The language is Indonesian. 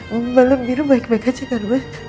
malam biru baik baik aja kan